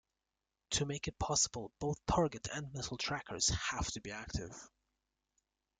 To make it possible, both target and missile trackers have to be active.